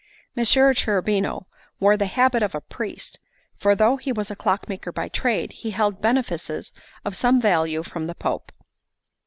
Messer Cherubino wore the habit of a priest; for though he was a clockmaker by trade, he held benefices of some value from the Pope.